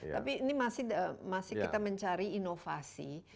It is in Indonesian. tapi ini masih kita mencari inovasi